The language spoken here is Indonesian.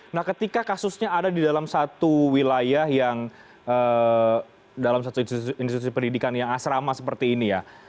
nah ketika kasusnya ada di dalam satu wilayah yang dalam satu institusi pendidikan yang asrama seperti ini ya